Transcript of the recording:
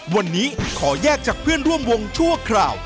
วันนี้ขอแยกจากเพื่อนร่วมวงชั่วคราว